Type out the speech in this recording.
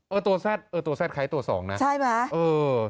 เออตัวซาดตัวซาดคล้ายตัว๒นะใช่มะเออ